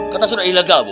karena sudah ilegal bu